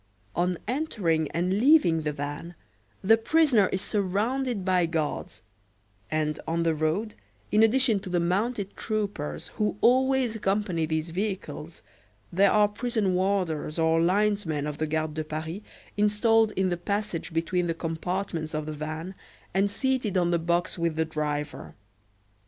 On entering and leaving the van the prisoner is surrounded by guards; and on the road, in addition to the mounted troopers who always accompany these vehicles, there are prison warders or linesmen of the Garde de Paris installed in the passage between the compartments of the van and seated on the box with the driver.